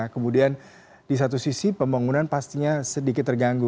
kemudian di satu sisi pembangunan pastinya sedikit terganggu